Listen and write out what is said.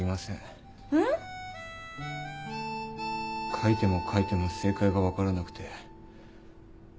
書いても書いても正解が分からなくて。